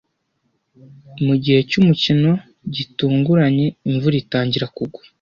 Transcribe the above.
Mugihe cyumukino, gitunguranye imvura itangira kugwa.